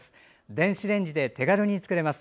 電子レンジで手軽に作れます。